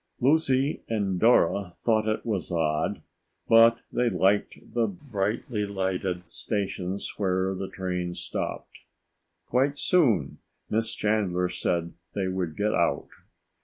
Lucy and Dora thought it was odd, but they liked the brightly lighted stations where the train stopped. Quite soon, Miss Chandler said they would get out.